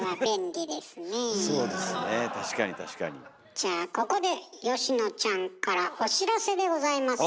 じゃあここで佳乃ちゃんからお知らせでございます。